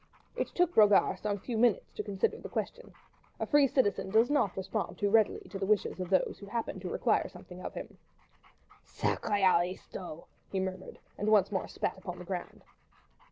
It took Brogard some few moments to consider the question. A free citizen does not respond too readily to the wishes of those who happen to require something of him. "Sacrrrés aristos!" he murmured, and once more spat upon the ground.